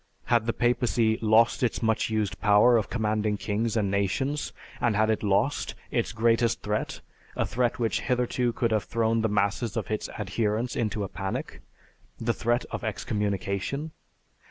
Had the papacy lost its much used power of commanding kings and nations, and had it lost its greatest threat, a threat which hitherto could have thrown the masses of its adherents into a panic, the threat of excommunication?